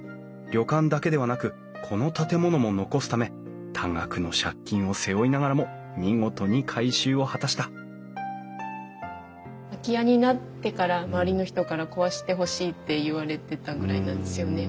旅館だけではなくこの建物も残すため多額の借金を背負いながらも見事に改修を果たした空き家になってから周りの人から壊してほしいって言われてたぐらいなんですよね。